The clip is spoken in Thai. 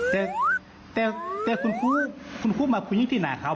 แต่แต่คุณครูคุณครูมากคุณยิ่งที่หน้าขาว